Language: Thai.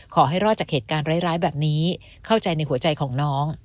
ขอให้รอดจากเหตุการณ์ร้ายแบบนี้เข้าใจในหัวใจของน้อง